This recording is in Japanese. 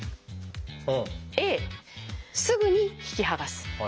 「Ａすぐに引き剥がす」。